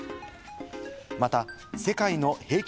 また、世界の平均